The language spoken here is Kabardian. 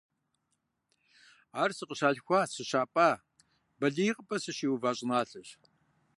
Ар сыкъыщалъхуа, сыщапӏа, балигъыпӏэ сыщиува щӏыналъэщ.